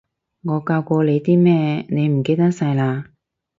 我教過你啲咩，你唔記得晒嘞？